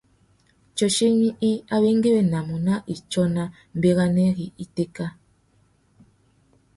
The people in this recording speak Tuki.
Tsuchimi i awéngüéwinamú nà itsôna béranari itéka.